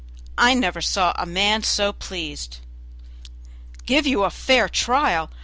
I never saw a man so pleased. "Give you a fair trial!